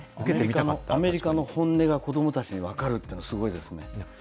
アメリカの本音が子どもたちに分かるっていうのはすごいですね。